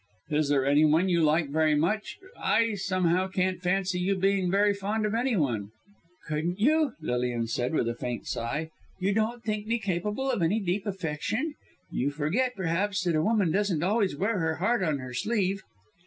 "Is there any one you like very much! I, somehow, couldn't fancy you being very fond of any one." "Couldn't you?" Lilian said, with a faint laugh. "You don't think me capable of any deep affection. You forget, perhaps, that a woman doesn't always wear her heart on her sleeve."